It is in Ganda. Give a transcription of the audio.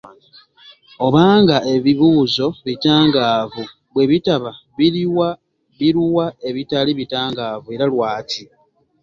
Oba ng’ebibuuzo bitangaavu; bwe bitaba, biruwa ebitali bitangaavu era lwaki?